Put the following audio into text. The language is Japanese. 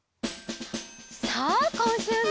さあこんしゅうの。